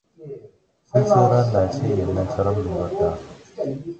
쓸쓸한 낯이 옛날처럼 늙었다.